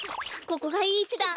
ここがいいいちだ。